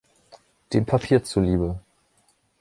Dem Papier zuliebe.